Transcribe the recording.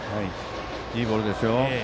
いいボールですよ。